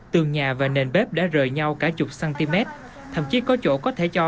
tường nhà và nền bếp đã rời nhau cả chục cm thậm chí có chỗ có thể cho